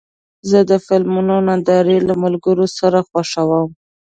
زه د فلمونو نندارې له ملګرو سره خوښوم.